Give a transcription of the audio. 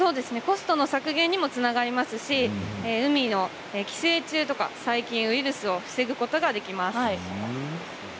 コスト削減にもつながりますし海の寄生虫とか細菌やウイルスを防ぐこともできます。